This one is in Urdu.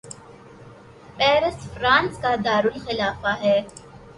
پیرس فرانس کا دارلخلافہ ہے